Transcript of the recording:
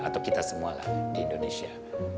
atau kita semualah di indonesia